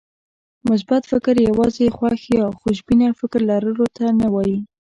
مثبت فکر يوازې خوښ يا خوشبينه فکر لرلو ته نه وایي.